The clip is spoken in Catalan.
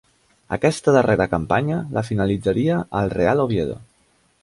Aquesta darrera campanya la finalitzaria al Real Oviedo.